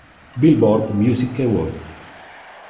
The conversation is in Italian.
Billboard Music Awards